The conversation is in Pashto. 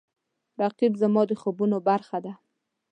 رقیب زما د خوبونو برخه ده